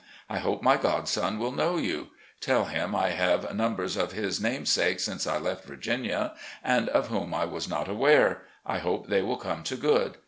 I hope my godson will know you. Tell him I have numbers of his namesakes since I left Virginia, of whom I was not aware. I hope they will come to good.